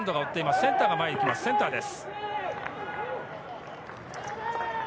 センターです。